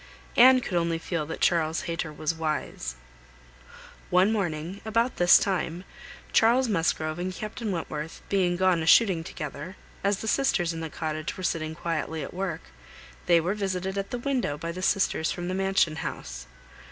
Anne could only feel that Charles Hayter was wise. One morning, about this time Charles Musgrove and Captain Wentworth being gone a shooting together, as the sisters in the Cottage were sitting quietly at work, they were visited at the window by the sisters from the Mansion house.